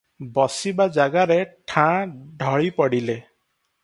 ବସିବା ଜାଗାରେ ଠାଁ ଢଳି ପଡିଲେ ।